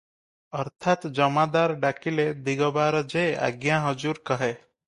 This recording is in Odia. ଅର୍ଥାତ୍ ଜମାଦାର ଡାକିଲେ ଦିଗବାର ଯେ 'ଆଜ୍ଞା ହଜୁର' କହେ